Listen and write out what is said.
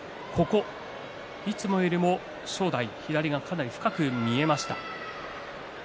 いつもよりも正代左がかなり深く見えました。